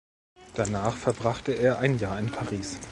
Danach verbrachte er ein Jahr in Paris.